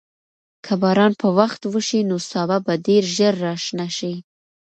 که باران په وخت وشي، نو سابه به ډېر ژر راشنه شي.